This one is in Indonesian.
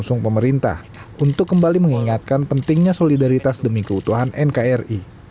jokowi mengingatkan pentingnya solidaritas demi keutuhan nkri